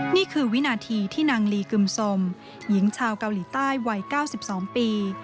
นี่คือวินาทีที่นางลีกึมสมหญิงชาวเกาหลีใต้วัย๙๒ปี